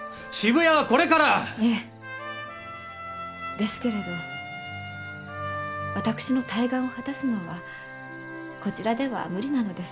ですけれど私の大願を果たすのはこちらでは無理なのです。